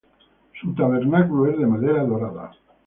Su tabernáculo es de madera dorada.